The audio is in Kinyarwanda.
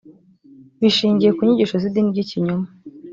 bishingiye ku nyigisho z idini ry ikinyoma